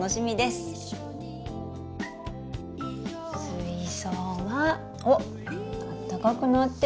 水槽はおっあったかくなってる。